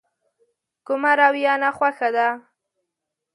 کومه رويه ناخوښه ده.